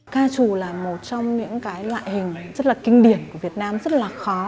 ca trù là một trong những loại hình rất là kinh điển của việt nam rất là khó